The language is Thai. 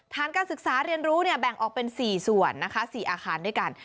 การศึกษาเรียนรู้แบ่งออกเป็น๔ส่วนนะคะ๔อาคารด้วยกัน